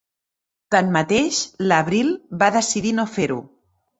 Tanmateix, l'abril va decidir no fer-ho.